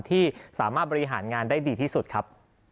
ที่สามารถบริหารงานได้ดีที่สุดครับ